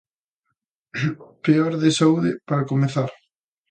Peor de saúde, para comezar.